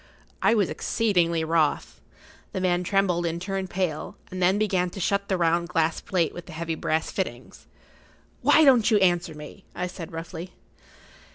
I was exceedingly wroth. The man trembled and turned pale,[Pg 38] and then began to shut the round glass plate with the heavy brass fittings. "Why don't you answer me?" I said, roughly.